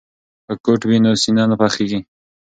که کوټ وي نو سینه نه یخیږي.